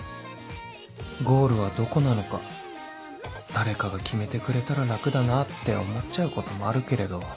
ゴールはどこなのか誰かが決めてくれたら楽だなって思っちゃうこともあるけれど